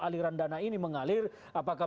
aliran dana ini mengalir apakah